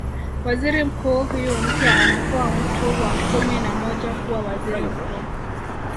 Waziri mkuu huyu mpya anakuwa mtu wa kumi na moja kuwa Waziri Mkuu